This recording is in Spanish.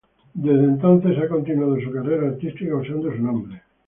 Desde entonces ha continuado su carrera artística usando su nombre.